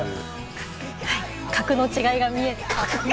格の違いが見えて。